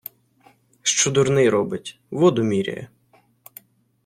Що дурний робить? — Воду міряє.